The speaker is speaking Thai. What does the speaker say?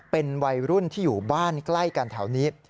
เป็นวัยรุ่นที่อยู่บ้านใกล้กันแถวนี้